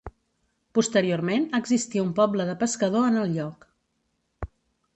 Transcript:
Posteriorment existia un poble de pescador en el lloc.